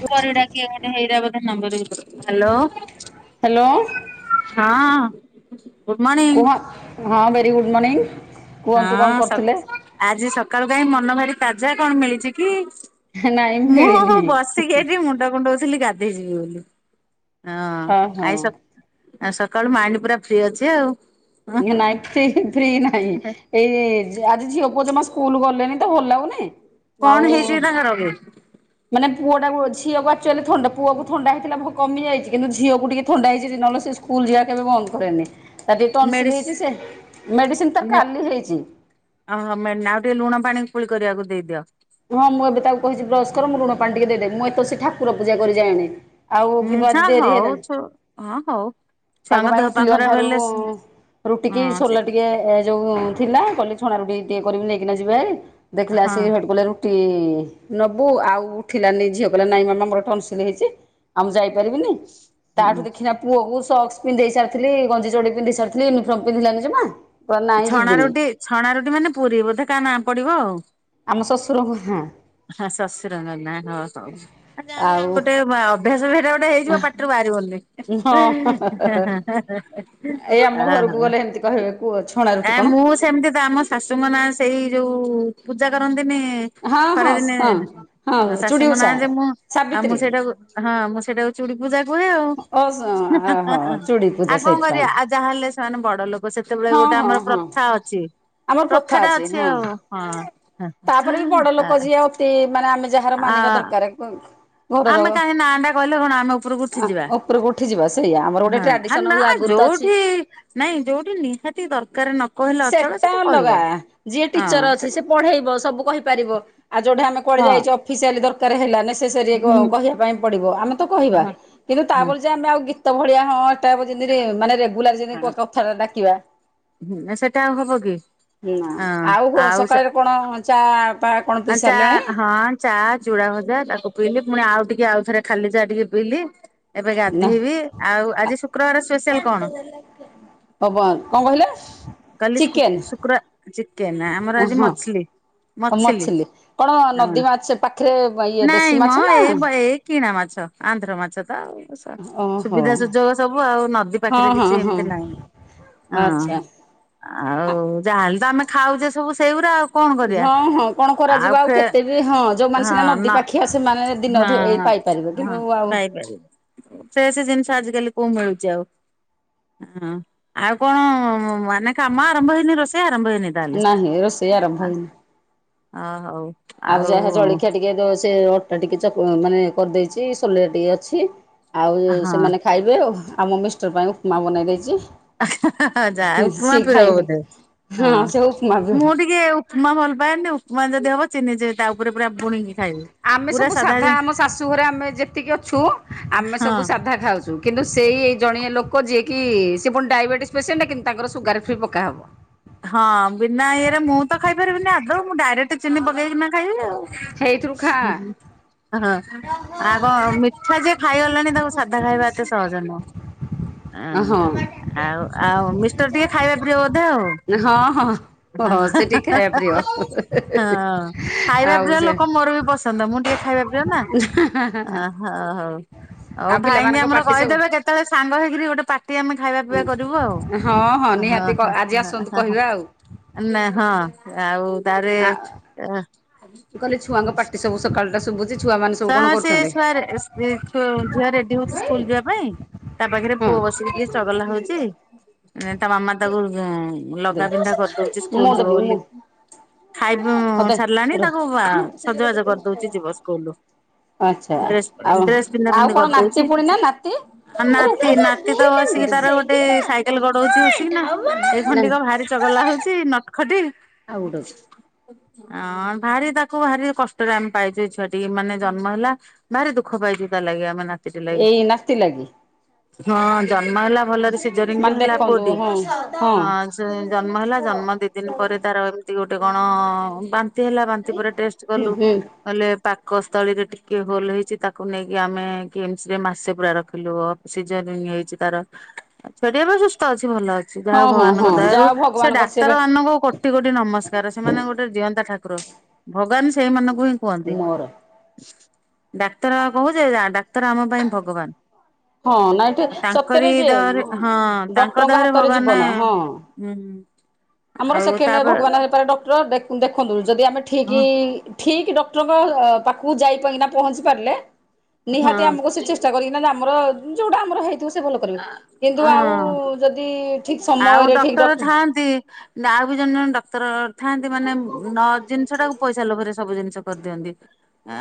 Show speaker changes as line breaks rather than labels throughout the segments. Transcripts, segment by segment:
ପୁରାଢ଼ି ଡାକିବା ହେଇରା ବୋଧେ ନମ୍ବର ଇଏ କରେ ହ୍ୟାଲୋ।
ହ୍ୟାଲୋ
ହଁ। Good morning.
କୁହ ହଁ ଭେରି ଗୁଡ଼୍ ମର୍ଣିିଂ।
ହଁ ଆଜି ସକାଳୁ କାହିଁ ମନ ଭାରି ତାଜା କଣ ମିଳିଛି କି।
ନାଇଁ
ମୁଁ ହଁ
ମିଳିନି
ହଁ ବସିକି ଏଠି ମୁଣ୍ଡ କୁଣ୍ଡଉଥିଲି ଗାଧେଇ ଯିବି ବୋଲି।
ହଁ ହଁ।
ଆ ସକାଳୁ ମାଇଣ୍ଡ ପୁରା ଫ୍ରି ଅଛି ଆଉ।
ନାଇଁ ଫ୍ରି ଫ୍ରି ନାଇଁ ଏଇ ଆଜି ଝିଅ ପୁଅ ଜମା ସ୍କୁଲ ଗଲେଣିି ତ ଭଲ ଲାଗୁନି।
କଣ ହେଇଛି ତାଙ୍କର କି?
ନା ପୁଅ ଟା ଝିଅକୁ ଆକ୍‌ଚୁଏକି ଆଲି ଥଣ୍ଡା ପୁଅକୁ ଥଣ୍ଡା ହେଇଥିଲା ଭ [unintelligible] କମିଯାଇଛି କିନ୍ତୁ ଝିଅକୁ ଟିକେ ଥଣ୍ଡା ହେଇଛି ନହେଲେ ସେ ସ୍କୁଲ ଯିବା କେବେ ବନ୍ଦ କରେନି। ତାର ଟିକେ ଟଂଶ୍ଲିକ
ମେଡିସି
ହେଇଚି ସେ ମେଡିସିନ ତାର
ମେ
କାଲି ହେଇଚି।
ଓହୋ ମେ ଆଉ ଟିକେ ଲୁଣ ପାଣି କୁଳି କରିବାକୁ ଦେଇଦିଅ।
ହଁ ମୁଁ ଏବେ ତାକୁ କହିଚି ବ୍ରସ କର ମୁଁ ଲୁଣ ପାଣି ଟିକେ ଦେଇଦବି ମୁଁ ଏତଅସି କି ଠାକୁର ପୂଜା କରି ଯାଇନି। ଆଉ
ହୁଁ
କିନ୍ତୁ ଆଜି
ହଁ
ଡେରି
ହଉ
ହେଲାଣି।
ଛୁ ହଁ ହଉ
ତାଙ୍କ
ଛୁଆଙ୍କ
ପାଇଁ
ଦେହ ପା
ଉଠିଲି
ଖରାପ
ଅନ୍ଧାରୁ
ହେଲେ
ରୁଟି କିି
ହଁ ସେ
ସୋଲା ଟିକେ ଏ ଯୋଉ ଥିଲା କଲି ଛଣାରୁୁଟି ଟିକେ କରିବି ନେଇକି ନା ଯିବେହାରି ଦେଖିଲା
ହଁ
ଅଳସିକି ହେଟୁ କହିଲେ ରୁଟି ରୁଟି ନବୁ ଆଉ ଉଠିଲାନି ଝିଅ କହିଲା ନାଇଁ ମାମା ମୋର ଟଂଶ୍ଲିକ ହେଇଚି ଆଉ ମୁଁ ଯା ପାରିବିନି ତାଠୁ
ହୁଁ
ଦେଖିକିନା ପୁଅ କୁ ସକ୍ସ ପିନ୍ଧେଇ ସାରିଥିଲି ଗଞ୍ଜି ଚଡି ପିନ୍ଧେଇ ସାରିଥିଲି ୟୁନିଫର୍ମ ପିନ୍ଧିଲାନି ଜମା କହିଲା ନାଇଁ
ଛଣା
ଯିବିନି
ରୁଟି ଛଣା ରୁଟି ମାନେ ପୁରୀ ବୋଧେ କା ନାଁ ପଡିବ ଆଉ।
ଆମ ଶଶୁରଙ୍କ ନାଁ
ହଁ ଶଶୁରଙ୍କ ନା ହଁ ହଁ ଆ ଯାହେଲେ ଆଉ ଗୋଟେ ବା ଅଭ୍ୟାସ ହେଟା ଗୋଟେ ହେଇଯିବ ପାଟିରୁ ବାହାରିବନି
ହଁ ଏଇ
ହଁ
ଆମ ଘରକୁ
ହଁ।
ଗଲେ ଏମିତି କହିବେ କୁହ ଛଣା ରୁଟି
ଆ
କଣ
ମୁଁ ସେମିତି ତ ଆମ ଶାଶୁଙ୍କ ନାଁ ସେଇ ଯୋଉ ପୂଜା କରନ୍ତିନି?
ହଁ
ଖରା
ହଁ
ଦିନେ
ହଁ ହଁ ଚୁଡ଼ି
ଶାଶୁଙ୍କ ନାଁ
ଓଷା
ଯେ ମୁଁ ଆଉ ମୁଁ
ସାବିତ୍ରୀ
ସେଇଟାକୁ ହଁ ମୁଁ ସେଇଟାକୁ ଚୁଡି ପୂଜା କୁହେ ଆଉ।
ଓ ହଁ ଚୁଡ଼ି ପୂଜା
ଆଉ କଣ
ସେଇଥିପାଇଁ
କରିବା ଆଉ ଯାହାହେଲେ ସେମାନେ ବଡ ଲୋକ ସେତେବେଳେ
ହଁ
ଗୋଟେ ତ
ହଁ
ଆମର
ହଁ
ପ୍ରଥା ଅଛି। ପ୍ରଥା ଟା ଅଛି ଆଉ
ତାପରେ ବି ବଡ ଲୋକ
ହଁ।
ଯିଏ ଅତି ମାନେ ଆମେ ଯାହାର
ଆ
ମାନିବା ଦରକାରେ
ଆମେ କାହିରି ନାଁ ଟା କହିଲେ କଣ ଆମେ ଉପରକୁ ଉଠିଯିବା।
ଉପରକୁ ଉଠିଯିବା ସେଇଆ ଆମର ଗୋଟେ
ହଁ ଆ
ଟ୍ରାଡିସନ
ନା
ଆଗରୁ ତ ଅଛି
ଯୋଉଠି ନାଇଁ ଯୋଉଠି ନିହାତି ଦରକାର ନ କହିଲେ ଅଚଳ
ସେଟା
ସେଠି
ଅଲଗା
କହିବା
ଯିଏ
ହଁ
ଟିଚର ଅଛି
ସେଠି
ସେ ପଢେଇବ ସବୁ କହିପାରିବ ଆଉ ଯୋଉଠେ ଆମେ କୁଆଡ
ହଁ
ଯାଇଚ ଅଫିସିଆଲି ଦରକାର ହେଲା ନିଶ୍ ସରି ଏଗ
ହୁଁ
କହିବା ପାଇଁ ପଡିବ ଆମେ ତ କହିବା
ହଁ
କିନ୍ତୁ
ହଁ
ତାପରେ ଯେ ଆମେ ଆଉ ଗୀତ ଭଳିଆ ହଁ [unintelligible] ମାନେ ରେଗୁଲାର ଯିନ୍ତି କ କଥାଟା ଡାକିବା।
ହଁ ସେଟା ଆଉ ହବ କି
ହୁଁ ଆଉ ସକାଳେରେ କଣ ଚା ପା କଣ
ଆ
ପିଇ
ଚା
ସାରିଲାଣି?
ହଁ ଚା ଚୁଡ଼ା ଭଜା ତାକୁ ପିଇଲି ପୁଣି ଆଉ ଟିକେ ଆଉ ଥରେ ଖାଲି ଯାହା ଟିକେ ପିଇଲି ଏବେ
ନା
ଗାଧେଇବି ଆଉ ଆଜି ଶୁକ୍ରବାର ସ୍ପେଶାଆଲ କଣ?
ହବ କଣ କହିଲେ?
କଲି ଶୁ
ଚିକେନ
ଶୁକ୍ର ଚିକେନ ଆମର ଆଜି
ହଁ
ମଛଲି ମଛଲି ଲି
କଣ
ହଁ
ନଦୀ ମାଛ ପାଖରେ ଇଏ ଦେଶୀ
ନାଇଁ ମ
ମାଛ ନା?
ଏଇ ବ ଏଇ କିଣା ମାଛ ଆନ୍ଧ୍ର ମାଛ
ଓହୋ
ସୁବିଧା ସୁଯୋଗ ସବୁ ଆଉ ନଦୀ
ହଁ
ପାଖରେ
ହଁ
କିଛି
ହଁ
ଏମିତି ନାହିଁ। ହଁ।
ଆଚ୍ଛା।
ଆଉ ଯାହାହେଲେ ତ ଆମେ ଖାଉଛେ ସବୁ ସେଇଗୁରା ଆଉ। କଣ କରିବା
ହଁ ହଁ। କଣ କରାଯିବ ଆଉ କେତେ ବି ହଁ ଯେଉଁମାନେ
ହଁ
ସିନା ନଦୀ
ନ
ପାଖିଆ ସେମାନେ
ହଁ
ଦିନେ ଅଧେ ପାଇପାରିବେ
ହଁ
କିନ୍ତୁ ଆଉ
ପାଇପାରିବେ ସେ ସେ ଜିନିଷ ଆଜିକାଲି କୋଉ ମିଳୁଚି ଆଉ ହଁ ଆଉ କଣ ମାନେ କାମ ଆରମ୍ଭ ହେଇନି ରୋଷେଇ ଆ ରମ୍ଭ ହେଇନି ତାହଲେ
ନାହିଁ ରୋଷେଇ ଆରମ୍ଭ
ଆ
ହେଇନି।
ଅ ହଉ।
ଆଉ ଯାହା ଜଳଖିଆ ଟିକେ ଦଉଚି ସେ ଅଟା ଟିକେ ଚକ ମାନେ କରିଦେଇଚି ସୋଲେ ଟିକେ ଅଛି। ଆଉ ସେମାନେ ଖାଇବେ ଆଉ ଆମ ମିଷ୍ଟ୍ ର ପାଇଁ ଉପମା ବନେଇ ଦେଇଚି
ଯା ଉପମା
ସେ
ପିରବ
ଖାଇବେ।
ବୋଧେ? ହଁ
ସେ ଉପମା ବି ହବ।
ମୁଁ ଟିକେ ଉପମା ଭଲପାଏନି ଉପମା ଜ ଦି ହବ ଚିନି ଯେ ତା ଉପରେ ପୁରା ବୁଣିକି ଖାଇବି।
ଆମେ
ପୁରା
ସବୁ ସାଧା
ଜିନିଷ
ଆମ ଶାଶୁ ଘରେ ଆମେ ଯେତିକି ଅଛୁ ଆମେ ସବୁ
ହଁ
ସାଧା ଖାଉଛୁ କିନ୍ତୁ ସେଇ ଏଇ ଜଣିଏ ଲୋକ ଯିଏକି ସେ ପୁଣି ଡାଇବେଟିସ୍ ପେସେଣ୍ଟ କିନ୍ତୁ ତାଙ୍କର ସୁଗାର ଫ୍ରି ପକା ହବ।
ହଁ ବିନା ଇଏରେ ମୁଁ ତ ଖାଇପାରିବିନି ଆଦୌ। ମୁଁ ଡାଇରେକ୍ଟ ଚିନି ପକେଇକିନା ଖାଇବି ଆଉ।
ହେଇଥିରୁ ଖା
ଆ ହଁ ଆଉ କଣ ମିଠା ଯିଏ ଖାଇଗଲାଣି ତାକୁ ସାଧା ଖାଇବା ଏତେ ସହଜ ନୁହଁ। ଆଁ
ହଁ।
ଆଉ ଆଉ ମିଷ୍ଟର୍ ଟିକେ ଖାଇବା ପିୟ ବୋଧେ ଆଉ।
ହଁ ହଁ ହଁ।
ହଁ
ସେ ଟିକେ ଖାଇବା
[unintelligible]
ପ୍ରିୟ
ହଁ ଖାଇବା
ଆଉ
ପିଇବା
ସେ
ଲୋକ ମୋର ବି ପସ୍ ସନ୍ଦ ମୁଁ ଟିକେ ଖାଇବା ପ୍ରିୟ ନା ଆହା ହଉ। ଆଉ ଭାଇଙ୍କି
ପିଲାମାନଙ୍କ
ଆମର
ପାଟି ସବୁ
କହିଦେବେ କେତେବେଳେ ସାଙ୍ଗ ହେଇକିରି ଗୋଟେ ପା ର୍ଟି ଆମେ ଖାଇବା ପିଇବା କରିବୁ ଆ
ହଁ
ହଁ
ନିହାତି
ହଁ
ଆଜି ଆସନ୍ତୁ
[unintelligible]
କହିବା ଆଉ।
ଆ ନା ହଁ ଆଉ ତାପରେ
ଆ କହିଲି ଛୁଆଙ୍କ ପାଟି ସବୁ ସକାଳଟା ସବୁ
ସା
କଣ
ସେ
କରୁଛନ୍ତି?
ସୁଆରେ [unintelligible] ଝିଅ ରେଡି ହୋଉଛି ସ୍କୁଲ ଯିବା ପାଇଁ। ତା ପାଖରେ
ହଁ
ପୁଅ ବସିକି ଟିକେ ଚଗଲା ହୋଉଛି ମାମା ତାକୁ
ଦେ
ଲଗା ପିନ୍ଧା କରି ଦଉଛି
ମୁଁ
ସ୍କୁଲ୍ ଯିବ
ଦେବି ମୁଁ
ବୋଲି। ଖାଇବ
ହଁ ଦେ
ସାରିଲାଣି
ର
ତାକୁ ଆ ସଜବାଜ କରିଦଉଛି ଯିବ ସ୍କୁଲୁ।
ଆଚ୍ଛା
ଡ୍ରେସ୍
ଆଉ
[unintelligible] ଡ୍ରେସ୍ ପିନ୍ଧା
ଆଉ
ପିନ୍ଧି
କଣ
କରି
ନାତି
ଦୋଉଛି।
ପୁଣି ନା ନାତି?
ଆ
ନାଇଁ ଆଉ
ନାତି
ଗୋଟେ
ନାତି ତ ବସିକି
ଅଛି
ତାର ଗୋଟେ ସାଇକେଲ୍ ଗଡ଼ଉଛି ବସିକିନା ଏଇ ଖଣ୍ଡିକ ଭାରି ଚ ଗଲା ହଉଛି ନଟ୍ ଖଟି। ଆଁଅଁ ଭାରି ତାକୁ ଭାରି କଷ୍ଟରେ ଆମେ ପାଇଛୁ ଏଇ ଛୁଆ ଟିକି ମାନେ ଜନ୍ମ ହେଲା ଭାରି ଦୁଃଖ ପାଇଛୁ ତା ଲାଗି ଆମେ ମାନେ।
ଏଇ ନାତି ଲାଗି?
ହଁ ଯ ନ୍ମ ହେଲା ଭଲରେ ସିଜରିଙ୍ଗ୍ ରେ
ମାନେ
ହେଲା ପୁଅ
ଦେଖନ୍ତୁ
ଟି,
ହଁ
ହଁ ସେ ଜନ୍ମ ହେଲା ଜନ୍ମ ଦି ଦିନ୍ ପରେ ତାର ଏମ୍ ତି ଗୋଟେ କଣ ବାନ୍ତି ହେଲା ବାନ୍ତି ପରେ ଟେଷ୍ଟ୍
ହୁଁ
କଲୁ
ହୁଁ
କହିଲେ ପାକସ୍ ତଳିରେ ଟିକେ ହୋଲ୍ ହେଇଛି ତାକୁ ନେଇକି ଆମେ କିମସ୍ ରେ ମାସେ ପୁରା ରଖିଲୁ ସିଜରିଂ ହେଇଛି। ତାର ଛୁଆ ଟି ଏବେ ସୁସ୍ଥ ଅଛି। ଭଲ ଅଛି ଯାହା
ହଁ ହଁ
ଭଗବାନଙ୍କ
ହଁ
ଦୟାରୁ।
ଯାହା ହଉ
ସେ
ଭଗବାନଙ୍କର
ଡାକ୍ତର
ସେବେ
ମାନଙ୍କୁ କୋଟି କୋଟି ନମସ୍କାର ସେମାନେ ଗୋଟେ ଜିଅନ୍ତା ଠାକୁ କୁର ଭଗବାନ୍ ସେଇମାନଙ୍କୁ ହିଁ କୁହନ୍ତି।
ମୋର
ଡାକ୍ତର କହୁଛେ ଯାହା ଡାକ୍ତର ଆମ ପାଇଁ ଭଗବାନ୍।
ହଁ ନାଇଁ ଠି ସତରେ
ତାଙ୍କରି
ଯେ
ଦେହରେ ହଁ ତାଙ୍କ
ଡକ୍ଟରଙ୍କ
ଦେହରେ
ହାତରେ
ଭଗବାନେ
ଜୀବନ ହଁ।
ହୁଁ।
ଆମର
ଆଉ
ସେକେଣ୍ଡେ
ତାପରେ
ଭଗବାନେ ହେଇପାରେ ଡକ୍ତର ଦେଖୁ ଦେଖନ୍ତୁ ଯଦି ଆମେ ଠିକି
ହଁ
ଠିକ୍ ଡକ୍ଟରଙ୍କ ପାଖକୁ ଯାଇ ପାଇକିନା ପହଞ୍ଚି ପାରିଲେ ନିହାତି
ହଁ
ଆମକୁ ସେ ଚେଷ୍ଟା କରିକି ନାଲ୍ ଆମର ଯୋଉଟା ଆମର ହେଇ ତୁ ସେ ଭଲ କରିବେ କିନ୍ତୁ ଆଉ ଯଦି ଠିକ୍
ଆଉ
ସମୟରେ ଠିକ୍
ଡକ୍ଟର ଥାଆନ୍ତି ଆଉ ବି ଜଣେ ଜଣେ ଡକ୍ଟର ଥାଆନ୍ତି ମାନେ ନ ଜିନିଷ ଟାକୁ ପଇସା ଲୋଭରେ ସବୁ ଜିନିଷ କରିଦିଅନ୍ତି ଆ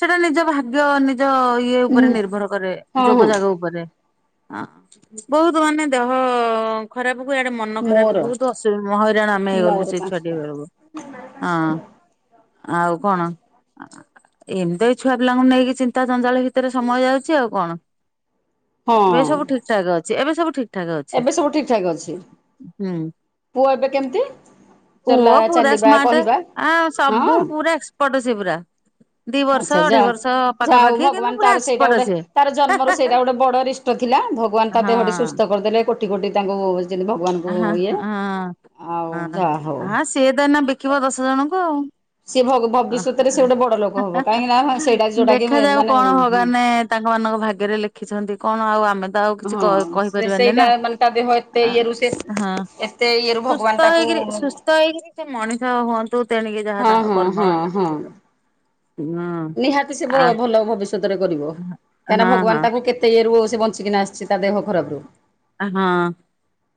ସେଟା ନିଜ ଭାଗ୍ୟ ନି ନିଜ ଇଏ ଉପରେ
ହଁ
ନିର୍ଭର କରେ ଯୋଗ
ହଁ
ଯାଗ ଉପରେ ଆ ବୋହୁତୁ ମାନେ ଦେହ ଖରାପ କୁ ଇଆଡ଼େ ମନ ଖରାପ
ମୋର
ବୋହୁତୁ ଅସୁବି ମ ହଇରାଣ ଆମେ
ମୋର
ହେଇଗଲୁ ସେଇ ଛୁଆଟି
ପାଞ୍ଚଟା
ବେଳକୁ ହଁ।
[inaudible]
ଆଉ କଣ ଆ ଆ। ଏମ୍ ତି ଏ ଛୁଆ ପିଲାଙ୍କୁ ନେଇକି ଚିନ୍ତା ଜଞ୍ଜାଳ ଭିତରେ ସମୟ ଯାଉଚି ଆଉ କଣ। ଏବେ
ହଁ
ସବୁ ଠିକ୍ ଠାକ୍ ଅଛି ଏବେ ସବୁ ଠିକ୍ ଠାକ୍ ଅଛି
ଏବେ ସବୁ ଠିକ୍ ଠାକ୍ ଅଛି
ହୁଁ।
ପୁଅ ଏବେ କେମିତି ଚଲା
ପୁଅ ପୁରା
ଚାଲିବା
ସ୍ମାର୍ଟ
କହିବା
ଆ ସବୁ
ହଁ
ପୁରା ଏକ୍ସପର୍ଟ ସେ ପୁରା। ଦି ବର୍ଷ
ଆଚ୍ଛା
ଅଢେଇ
ଯାହାଃ
ବର୍ଷ
ଯାହା ହଉ
ପାଖାପାଖି କିନ୍ତୁ
ଭଗବାନ୍
ପୁରା
ତାର ସେଇଟା
ଏକ୍ସପର୍ଟ
ଗୋଟେ
ସିଏ।
ତାର ଜନ୍ମରୁ ସେଇଟା ଗୋଟେ ବଡ଼ ରିଷ୍ଟ ଥିଲା ଭଗବାନ୍ ତା
ହଁ
ଦେହ ଟି ସୁସ୍ଥ କରିଦେଲେ କୋଟି କୋଟି ତାଙ୍କୁ ଯେମିତି ଭଗବାନଙ୍କୁ
ହାଁ
ଇଏ
ହଁ
ଆଉ
ହଁ
ଯାହା ହଉ
ହଁ ସିଏ ତ ଏଇନା ବିକିବ ଦଶ ଜଣଙ୍କୁ ଆଉ।
ସିଏ ଭ ଭବିଷ୍ୟତରେ ସେ ଗୋଟେ
[unintelligible]
ବଡ଼ ଲୋକ ହବ କାହିଁକି ନା ସେଇଟା ଯୋଉଟାକି
ଦେଖାଯାଉ
ମାନେ
କଣ
ହଁ
ଭଗବାନେ ତା ତାଙ୍କମାନଙ୍କ ଭାଗ୍ୟରେ ଲେଖିଛନ୍ତି କଣ ଆଉ ଆମେ ତ ଆଉ କିଛି
ହଁ
କହି
ସେ
କହିପାରିବାନି
ସେଇଟା
ନା।
ମାନେ ତା ଦେହ ଏତେ ଇଏରୁ ସେ
ହଁ
ଏତେ ଇଏରୁ ଭଗବାନ
ସୁସ୍ଥ
ତାକୁ
ହେଇକିରି ସୁସ୍ଥ ହେଇକିରି ତ ମଣି [unintelligible] ହୁଅନ୍ତୁ ତେଣିକି ଯାହା ତାଙ୍କ କର୍ମ ହଁ ଆଜ୍ଞା।
ନିହାତି ସେ ଭ ଭଲ ଭବି ଷ୍ୟତ କରିବ
ହଁ
କାହିଁକିନା
ହଁ
ଭଗବାନ ତାକୁ କେତେ ଇଏ ରୁ ସେ ବଞ୍ଚିକିନା ଆସିଛି ତା ଦେହ ଖରାପ ରୁ।
ଆ ହଁ।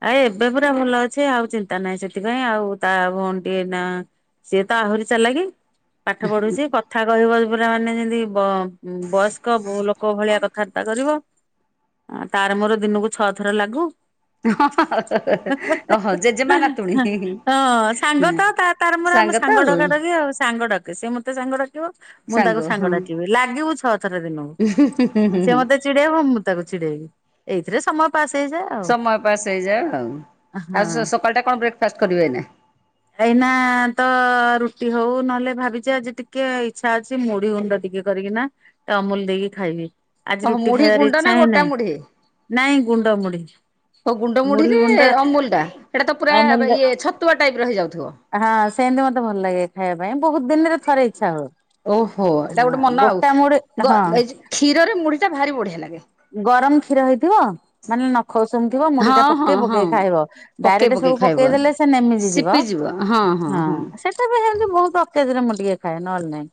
ଆ ଏବେ ପୁରା ଭଲ ଅଛି ଆଉ ଚିନ୍ତା ନାହିଁ ସେଥିପାଇଁ ଆଉ ତା ଭଉଣୀ ଟିକେ ନା ସିଏ ତ ଆହୁରି ଚାଲାକି ପାଠ ପଢୁଛି କଥା କହିବ ପୁରା ମାନେ ଯେମିତି ବ ବୟସ୍କ ଲୋକଙ୍କ ଭଳିଆ କଥାବାର୍ତ୍ତା କରିବ ତାର ମୋର ଦିନକୁ ଛଅ ଥର ଲାଗୁ।
ଓହୋ
[unintelligible]
ଜେଜେମା ନାତୁଣୀ
ହଁ ସାଙ୍ଗ ତ ତା ତାର ମୋର [unintelligible] ଆମ
ତ
ସାଙ୍ଗ
ଆଉ।
ଡ଼କାଡ଼କି ଆଉ ସାଙ୍ଗଡାକେ ସେ ମତେ ସାଙ୍ଗ ଡାକିବ ମୁଁ ତାକୁ ସାଙ୍ଗ ଡାକିବି ଲାଗିବୁ ଛଅ [unintelligible]
ହୁଁ ହୁଁ
ଦିନକୁ ସେ
ହୁଁ
ମତେ ଚିଡେଇବ ମୁଁ ତାକୁ ଚିଡେଇବି ଏଇଥିରେ ସମୟ ପାସ୍ ହେଇଯାଏ ଆଉ
ସମୟ ପାସ୍ ହେଇଯାଏ ଆଉ
ହଁ
ଆଉ ସକାଳଟା କଣ ବ୍ରେକଫାଷ୍ଟ୍ କରିବେ ଏଇନା?
ଏଇନା ତ ରୁଟି ହଉ ନହେଲେ ଭାବିଛି ଆଜି ଟିକେ ଇଚ୍ଛା ଅଛି ମୁଢ଼ି ଗୁଣ୍ଡ ଟିକେ କରିକି ନା ଅମୁଲୁ ଦେଇକି ଖାଇବି। ଆଜି
ଓହୋ
ରୁଟି
ମୁଢି
ଖାଇବାର
ଗୁଣ୍ଡ ନା
ଇଚ୍ଛା ହିଁ
ଗୋଟା
ନାହିଁ
ମୁଢି?
ନାଇଁ ଗୁଣ୍ଡ ମୁୁଢି଼।
ହଉ ଗୁଣ୍ଡ ମୁଢ଼ି ବି ଅମୁଲୁ ଟା ଏଇଟା ତ ପୁରା
ଅମୁଲ ଦେ-
ଇଏ ଛତୁଆ ଟାଇପ୍ ର ହେଇଯାଉଥିବ।
ହଁ ସେମିତି ମତେ ଭଲ ଲାଗେ ଖାଇବା ପାଇଁ ବହୁତ୍ ଦିନରେ ଥରେ ଇଚ୍ଛା ହୁଏ।
ଓହୋ ଏଇଟା
ହଁ
ଗୋଟେ ମନ ଆଉ
ଗୋଟା ମୁଢି
ଗ
ହଁ
ଏଇ ଯୋଉ କ୍ଷୀରରେ ମୁଢ଼ି ଟା ଭାରି ବଢ଼ିଆ ଲାଗେ।
ଗରମ କ୍ଷୀର ହେଇଥିବ। [unintelligible] ମାନେ ନଖ ଉଷୁମ୍ ଥିବ ମୁଢ଼ି ଟା
ହଁ ହଁ
ପକେଇ
ହଁ
ପକେଇ ଖାଇବ
ପକେଇ
ଡାଇରେକ୍ଟ
ପକେଇ
ସବୁ
ଖାଇବ।
ପକେଇଦେଲେ ସେ ନେମିରି ଯି ବ ହଁ ସେଟା ବି ସେମତି ବହୁତ୍ [unintelligible] ରେ ମୁଁ ଟିକେ ଖାଏ ନହେଲେ ନାଇଁ।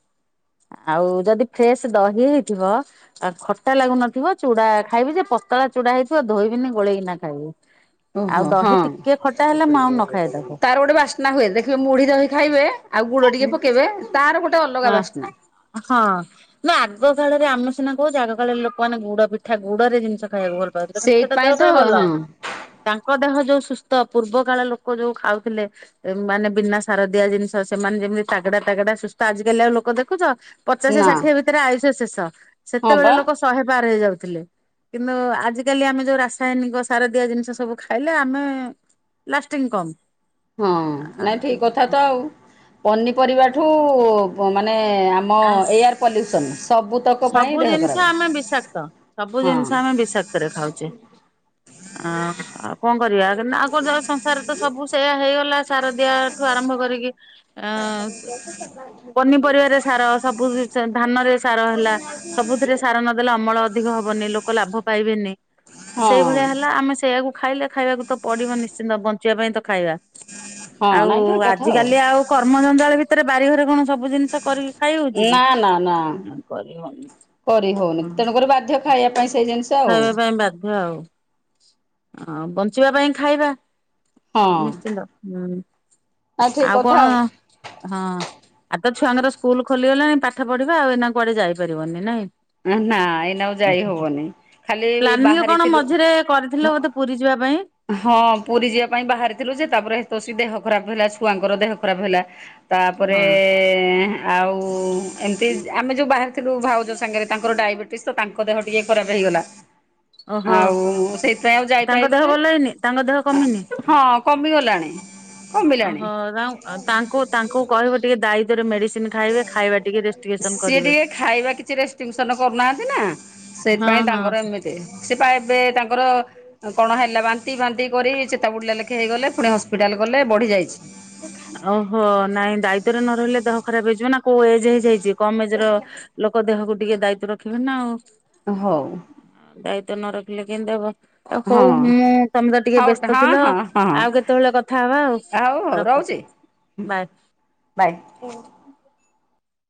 ଆଉ ଯଦି ଫ୍ରେଶ୍ ଦହି ହେଇଥିବ ଖଟା ଲାଗୁନଥିବ ଚୁଡ଼ା ଖାଇବି ଯେ [unintelligible] ପତଳା ଚୁଡ଼ା ହେଇଥିବ ଧୋଇବିନି ଗୋଲେଇକିନା ଖାଇବି। ଆଉ
ଓହୋ ହଁ
ଦହି ଟିକେ ଖଟା ହେଲେ ମୁଁ ଆଉ ନ ଖାଏ ତାକୁ।
ତାର ଗୋଟେ ବାସ୍ନା ହୁଏ ଦେଖିବେ ମୁଢ଼ି ଦହି ଖାଇବେ। ଆଉ ଗୁଡ଼ ଟିକେ ପକେଇବେ ତାର ଗୋ
ହଁ ହଁ ନା ଆଗ କାଳରେ ଆମେ ସିନା କହୁଛେ ଆଗ କାଳରେ ଲୋକମାନେ ଗୁଡ଼ ପିଠା ଗୁଡ଼ ରେ ଜିନିଷ ଖାଇବାକୁ ଭଲ ପାଉଥିଲେ କିନ୍ତୁ ସେଟା ଦେହ
ସେଇଥିପାଇଁ ତ
ପାଇଁ ଭଲ
ହଁ
ତାଙ୍କ ଦେହ ଯୋଉ ସୁସ୍ଥ ପୂର୍ବ କାଳ ଲୋକ ଯୋଉ ଖାଉଥିଲେ ମାନେ ବିନା ସାରଦିଆ ଜିନିଷ ସେମାନେ ଯେମିତି ତାଗା ତାଗେଡା ତାଗେଡା ସୁ ତ ଆଜି କାଲି ଆଉ ଲୋକ ଦେଖୁଚ ପଚାଶ
ନା
ଷାଠିଏ ଭିତରେ ଆୟୁଷ ଶେଷ
ହଁ
ସେତେବେଳେ
ବା।
ଲୋକ ଶହେ ପାର ହେଇଯାଉ ଥିଲେ କିନ୍ତୁ ଆଜି କାଲି ଆମେ ଯୋଉ ରାସାୟନିକ ସାର ଦିଆ ଜିନିଷ ସବୁ ଖାଇଲେ ଆମେ ଲାଷ୍ଟିଙ୍ଗ୍ କମ୍।
ହଁ ନାଇଁ ଠିକ୍ କଥା ତ ଆଉ ପନିପରିବାଠୁ ମାନେ ଆମ ଏୟାର ପଲ୍ୟୁସନ୍ ସବୁତକ ପାଇଁ
ସବୁ
ଦେହ
ଜିନିଷ ଆମେ ବିଷାକ୍ତ ସବୁ
ଖରାପ
ଜିନିଷ
ହଁ।
ଆମେ ବିଷାକ୍ତରେ ଖାଉଚେ [unintelligible] କରିବା ଆଉ କଣ ସଂସାର ତ ସବୁ ସେଇଆ ହେଇଗଲା ସାର ଦିଆଠୁ ଆରମ୍ଭ କରିକି ଅ
[unintelligible]
ର ସବୁ ଧାନରେ ସାର ହେଲା ସବୁଥିରେ ସାର ନଦେଲେ ଅମଳ ଅଧିକ ହବନି ଲୋକ ଲାଭ ପାଇ ପାଇବେନି
ହଁ
ସେଇ ଭଳିଆ ହେଲା ଆମେ ସେ ସେଇଆକୁ ଖାଇଲେ ଖାଇବାକୁ ତ ପଡ଼ିବ ନିଶ୍ଚିନ୍ତ ବଞ୍ଚିବା ପାଇଁ ତ ଖାଇବା।
ହଁ
ଆଉ
ନାଇଁ ଠିକ କଥା
ଆଜିକାଲି ଆଉ କର୍ମ ଜଞ୍ଜାଳ ଭିତରେ ବାରିଘରେ କଣ ସବୁ ଜିନିଷ କରି ଖାଇ ହଉଚି
ନା ନା ନା
କି କରିହଉନି
କରି ହଉନି
ହଁ।
ତେଣୁକରି ବାଧ୍ୟ ଖାଇବା ପାଇଁ ସେଇ ଜିନିଷ ଆଉ
ଖାଇବା ପାଇଁ ବାଧ୍ୟ ଆଉ ବଞ୍ଚିବା ପାଇଁ ଖାଇବା।
ହଁ
ନିଶ୍ଚିନ୍ତ ହୁଁ
ନା ଠିକ
ଆଉ
କଥା
କଣ ହଁ। ଆଉ ତ ଛୁଆଙ୍କର ସ୍କୁଲ ଖୋଲିଗଲାଣି ପାଠ ପଢ଼ିବା ଆଉ ଏଇନା କୁଆଡ଼େ ଯାଇପାରିବନି ନାଇଁ?
ଆ ନା ଏଇନା ଆଉ ଯାଇ ହବନି। ଖାଲି ଏଇ
ପ୍ଲାନିଂ କଣ
ବାହାରିଥିଲୁ
ମଝିରେ କରିଥିଲେ ବୋଧେ ପୁରୀ ଯିବା ପାଇଁ?
ହଁ ପୁରୀ ଯିବା ପାଇଁ ବାହାରିଥିଲୁ ଯେ ତାପରେ ତୋସି ଦେହ ଖରାପ ହେଲା ଛୁଆଙ୍କର ଦେହ ଖରାପ ହେଲା ତାପରେ
ହଁ।
ଆଉ ଏମିତି ଆମେ ଯୋଉ ବାହାରି ଥିଲୁ ଭାଉଜ ସାଙ୍ଗରେ ତାଙ୍କର ଡାଇବେଟିସ୍ ତ ତାଙ୍କ ଦେହ ଟିକେ ଖରାପ ହେଇଗଲା।
ଓହୋ
ଆଉ, ସେଇଥିପାଇଁ ଆଉ
ତାଙ୍କ ଦେହ
ଯାଇପାରିଲୁନୁ।
ଭଲ ହେଇନି ତାଙ୍କ ଦେହ କମିନି?
ହଁ କମିଗଲାଣି।
ଓଃ
କମିଲାଣି
ତ ଆଉ ତାଙ୍କୁ ତାଙ୍କୁ କହିବ ଟିକେ ଦାୟିତ୍ୱରେ ମେଡିସି
ସିଏ ଟିକେ ଖାଇବା କିଛି ରେଷ୍ଟିଙ୍ଗସନ୍ କରୁନାହାନ୍ତି ନା।
ହଁ
ସେଇଥିପାଇଁ
ହଁ।
ତାଙ୍କର ଏମିତି, ସେ ପା ଏବେ ତାଙ୍କର କ'ଣ ହେଲା ବାନ୍ତି ଫାନ୍ତି କରି ଚେତା ବୁଡିଲା ଲେ ଖେ ହେଇଗଲେ ପୁଣି ହସ୍ପିଟାଲ ଗଲେ ବଢ଼ିଯାଇଛି।
ଓହୋଃ! ନାଇଁ ଦାୟିତ୍ୱରେ ନ ରହିଲେ ଦେହ ଖରାପ ହେଇଯିବ ନା। କୋଉ ଏଜ୍ ହେଇଛି ହେଇଛି? କମ ଏଜ୍ର ଲୋକ ଦେହକୁ ଟିକେ ଦାୟିତ୍ୱ ରଖିବେ ନା ଆଉ।
ଅ ହଉ।
ତ ନ ରଖିଲେ କେମିତି ହବ। ଆଉ
ହଁ
ହଉ ମୁଁ ତମେ ତ ଟିକେ
ହଉ
ବ୍ୟସ୍ତ
ହଁ
ଥିଲ
ହଁ ହଁ
ଆଉ କେତେବେଳେ କଥା ହବା ଆଉ ରଖୁଛି।
ହୁଁ
ବାଏ।
ବାଏ।